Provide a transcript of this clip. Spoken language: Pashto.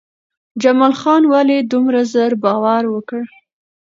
جمال خان ولې دومره زر باور وکړ؟